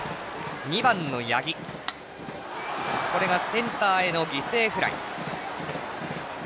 ２番の八木センターへの犠牲フライ。